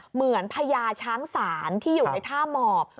เหมือนพญาช้างศาลที่อยู่ในท่ามอบ